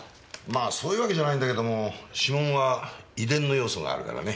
まあそういうわけじゃないんだけども指紋は遺伝の要素があるからね。